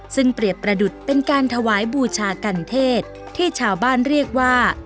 ซึ่งเปรียบประดุษเป็นการถวายบูชากันเทศที่ชาวบ้านเรียกว่า